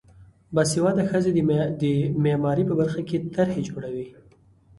باسواده ښځې د معماری په برخه کې طرحې جوړوي.